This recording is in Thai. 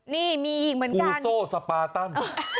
นี่มีอีกเหมือนกันคือโซ่สปาตัน